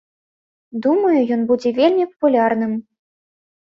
Думаю, ён будзе вельмі папулярным.